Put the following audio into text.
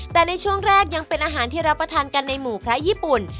แต่ในช่วงแรกยังเป็นอาหารที่รับประทานกันในหมู่พระญี่ปุ่น